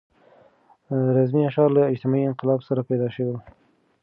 رزمي اشعار له اجتماعي انقلاب سره پیدا شول.